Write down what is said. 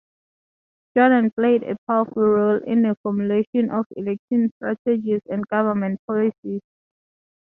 Jordan played a powerful role in the formulation of election strategies and government policies.